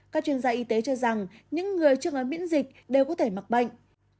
các chuyên gia y tế cho rằng những người chưa nói miễn dịch đều có thể mắc bệnh